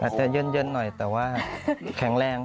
จะเย็นหน่อยแต่ว่าแข็งแรง